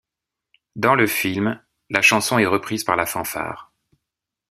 Dans le film, la chanson est reprise par la fanfare.